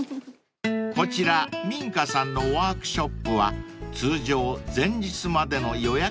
［こちらｍｉｎｃａさんのワークショップは通常前日までの予約が必要］